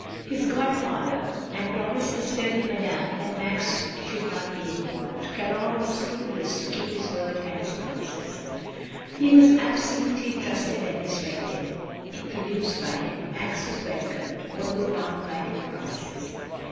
His godfather had promised the sturdy Madame that Max should not be involved. Caron was scrupulous to keep his word and his promises. He was absolutely trusted and respected; introduced by him, Max was welcomed, although bound by no promises.